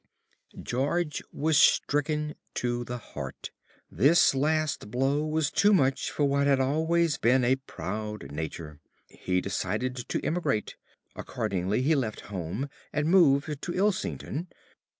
"George was stricken to the heart. This last blow was too much for what had always been a proud nature. He decided to emigrate. Accordingly he left home, and moved to Islington.